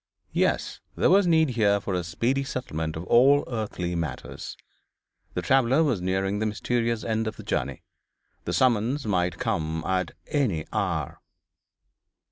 Yes, there was need here for a speedy settlement of all earthly matters. The traveller was nearing the mysterious end of the journey. The summons might come at any hour.